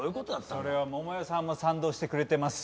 それは桃代さんも賛同してくれてます。